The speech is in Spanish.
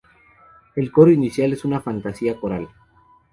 El coro inicial es una fantasía coral.